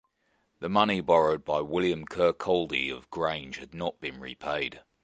The money borrowed by William Kirkcaldy of Grange had not been repaid.